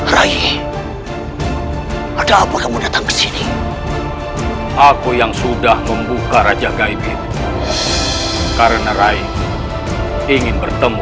rai ada apa kamu datang ke sini aku yang sudah membuka raja gaib itu karena rai ingin bertemu